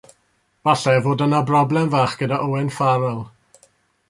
Falle fod yna broblem fach gydag Owen Farell.